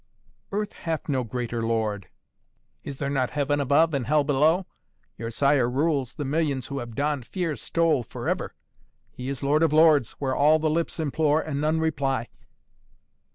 "Earth hath no greater lord." "Is there not heaven above and hell below? Your sire rules the millions who have donned fear's stole forever. He is lord of lords, where all the lips implore and none reply."